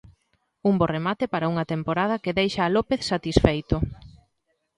Un bo remate para unha temporada que deixa a López satisfeito.